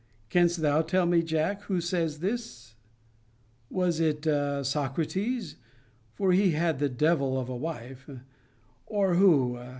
* Canst thou tell me, Jack, who says this? Was it Socrates? for he had the devil of a wife Or who?